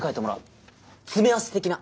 詰め合わせ的な。